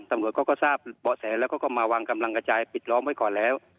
ตำรวจเขาก็ทราบเบาะแสแล้วก็มาวางกำลังกระจายปิดล้อมไว้ก่อนแล้ว